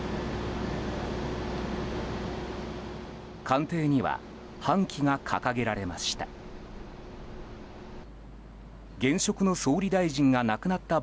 官邸には半旗が掲げられました。